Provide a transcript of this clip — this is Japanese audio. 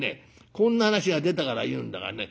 こんな話が出たから言うんだがね